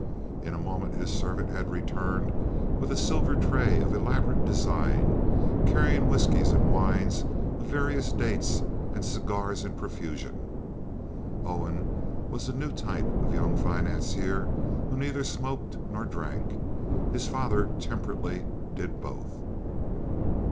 In a moment his servant had returned with a silver tray of elaborate design, carrying whiskies and wines of various dates and cigars in profusion. Owen was the new type of young financier who neither smoked nor drank. His father temperately did both.